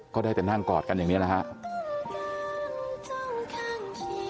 ก็ได้แบบนั้นกอดกันอย่างนี้เลยครับ